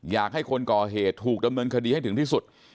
อยากให้คนก่อเหตุถูกดำเนินคดีให้ถึงที่สุด